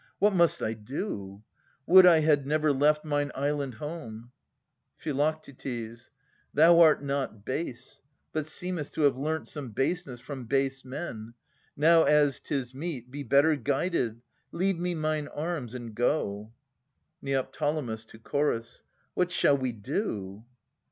What must I do ? Would I had never left mine island home ! Phi. Thou art not base, but seemest to have learnt Some baseness from base men. Now, as 'tis meet. Be better guided — leave me mine arms, and go. Ned. (fo Chorus). What shall we do?